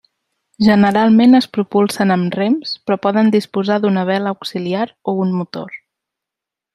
Generalment es propulsen amb rems, però poden disposar d’una vela auxiliar o un motor.